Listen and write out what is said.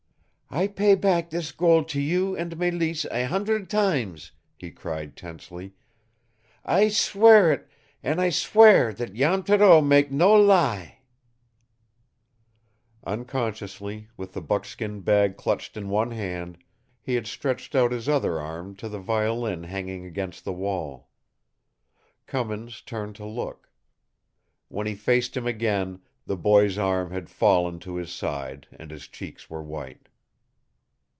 "I pay back this gold to you and Mélisse a hundred times!" he cried tensely. "I swear it, an' I swear that Jan Thoreau mak' no lie!" Unconsciously, with the buckskin bag clutched in one hand, he had stretched out his other arm to the violin hanging against the wall. Cummins turned to look. When he faced him again the boy's arm had fallen to his side and his cheeks were white.